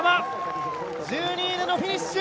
１２位でのフィニッシュ！